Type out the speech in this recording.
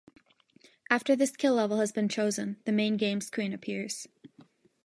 After the skill level has been chosen, the main game screen appears.